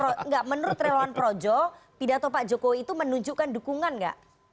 menurut relawan projo pidato pak jokowi itu menunjukkan dukungan nggak